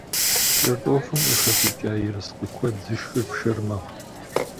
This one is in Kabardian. КӀэртӀофым къыхэщӀыкӀа ерыскъы куэд зышхыр пшэр мэхъу.